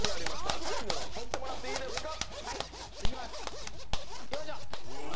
赤い布、とってもらっていいですか。